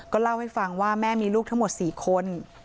เล่าให้ฟังว่าแม่มีลูกทั้งหมด๔คน